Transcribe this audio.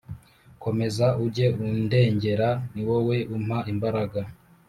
Komeza ujye undengera niwowe umpa imbaraga